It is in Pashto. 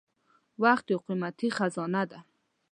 • وخت یو قیمتي خزانه ده.